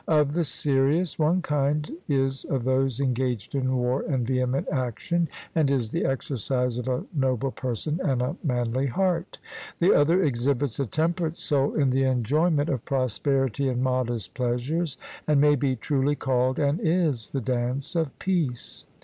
Of the serious, one kind is of those engaged in war and vehement action, and is the exercise of a noble person and a manly heart; the other exhibits a temperate soul in the enjoyment of prosperity and modest pleasures, and may be truly called and is the dance of peace.